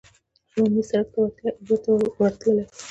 له عمومي سړک ته وتلای او بېرته به ورتللای.